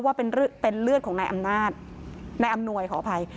ว่าเป็นเลือดของนายอำนาจนายอำนวยขออภัย